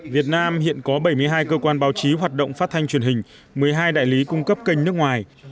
việt nam hiện có bảy mươi hai cơ quan báo chí hoạt động phát thanh truyền hình một mươi hai đại lý cung cấp kênh nước ngoài